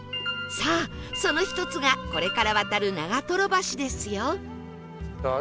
さあその１つがこれから渡る長潭橋ですよ